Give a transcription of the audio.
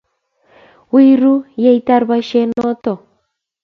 wi ru ye itar boisiet noto